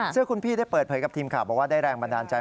ซึ่งคุณพี่ได้เปิดเผยกับทีมข่าวบอกว่าได้แรงบันดาลใจ